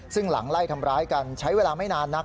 ซึ่งหลังไล่ทำร้ายกันใช้เวลาไม่นานนัก